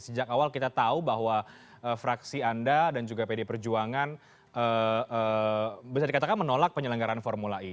sejak awal kita tahu bahwa fraksi anda dan juga pd perjuangan bisa dikatakan menolak penyelenggaran formula e